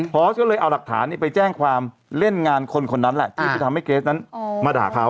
พอสก็เลยเอาหลักฐานไปแจ้งความเล่นงานคนคนนั้นแหละที่ไปทำให้เกรสนั้นมาด่าเขา